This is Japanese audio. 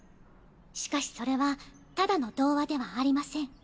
しかしそれはただの童話ではありません。